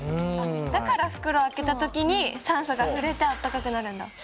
だから袋開けた時に酸素が触れてあったかくなるんだ。